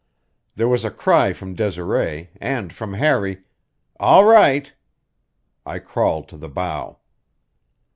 There was a cry from Desiree, and from Harry, "All right!" I crawled to the bow.